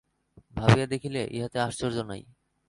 ভাবিয়া দেখিলে, ইহাতে আশ্চর্য নাই।